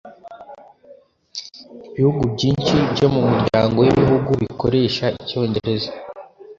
Ibihugu byinshi byo mu muryango w’ibihugu bikoresha Icyongereza